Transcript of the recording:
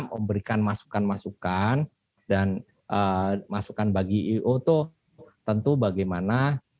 memberikan masukan masukan dan masukan bagi i o itu tentu bagaimana